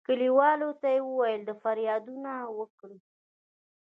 کلیوالو ته یې ویل د فریادونه وکړي.